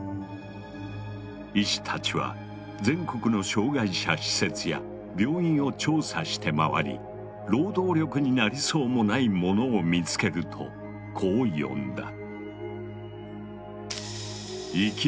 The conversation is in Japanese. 医師たちは全国の障害者施設や病院を調査してまわり労働力になりそうもない者を見つけるとこう呼んだ。